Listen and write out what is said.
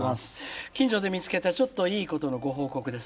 「近所で見つけたちょっといいことのご報告です。